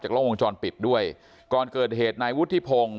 จากโรงพยาบาลปิดด้วยก่อนเกิดเหตุนายวุฒิทธิพงศ์